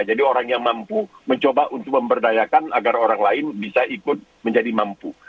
jadi orang yang mampu mencoba untuk memberdayakan agar orang lain bisa ikut menjadi mampu